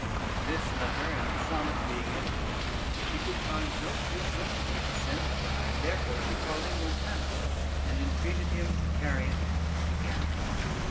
This letter and the sonnet being ended, she could find no fit messenger to send it by, and therefore she called in Montanus, and entreated him to carry it to Ganymede.